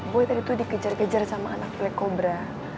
boy tadi tuh dikejar kejar sama anak pilih kobra